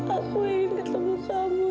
aku ingin ketemu kamu